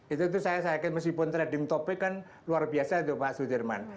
itu saya yakin meskipun trading topic kan luar biasa itu pak sudirman